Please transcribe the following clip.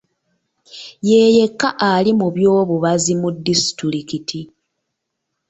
Ye yekka ali mu by'obubazzi mu disitulikiti.